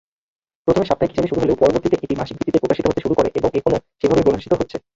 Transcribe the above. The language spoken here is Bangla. প্রথমে সাপ্তাহিক হিসেবে শুরু হলেও পরবর্তীতে এটি মাসিক ভিত্তিতে প্রকাশিত হতে শুরু করে এবং এখনও সেভাবেই প্রকাশিত হচ্ছে।